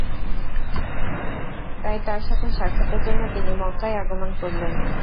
তাই তার সাথে সাক্ষাতের জন্য তিনি মক্কায় আগমন করলেন।